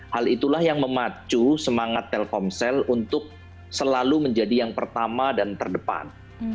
hal itulah yang memacu semangat telkomsel untuk selalu menjadi yang pertarungan cara kesehatan yang terbaik kepada seni indonesia